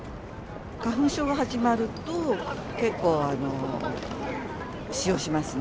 花粉症が始まると、結構、使用しますね。